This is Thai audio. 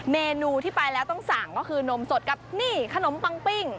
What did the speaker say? เมนูที่ไปแล้วต้องสั่งก็คือนมสดกับนี่ขนมปังปิ้ง